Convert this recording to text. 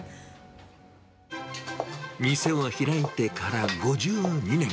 店を開いてから５２年。